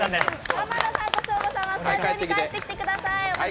濱田さんとショーゴさんはスタジオに帰ってきてください。